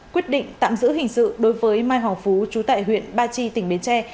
quyết định tạm giữ hình sự đối với mai hoàng phú trú tại huyện ba chi tỉnh bến tre